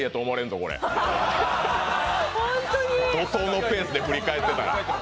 怒とうのペースで振り返ってたら。